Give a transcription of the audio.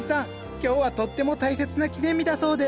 今日はとっても大切な記念日だそうで。